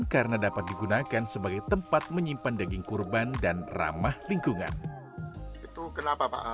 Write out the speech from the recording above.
karena dapat digunakan sebagai tempat menyimpan daging kurban dan ramah lingkungan